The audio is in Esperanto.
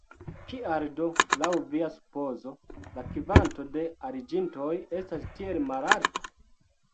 Kial do, laŭ via supozo, la kvanto de aliĝintoj estas tiel malalta?